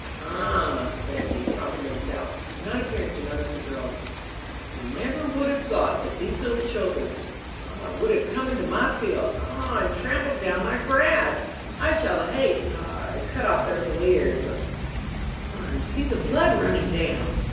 "Ah," said he, talking to himself, and not appearing to notice the girls, "I never would have thought that these little children ah, would have come into my field ah, and trampled down my grass! I shall hate ah, to cut off their little ears ah, and see the blood running down!"